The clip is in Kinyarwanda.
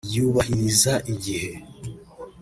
yubahiriza igihe